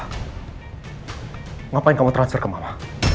mengapa kamu transfer ke mama